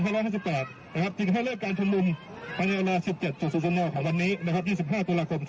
จึงให้เลิกการชมุมปัญญาลา๑๗๐๖ของวันนี้๒๕ตุลาคม๒๖๖๓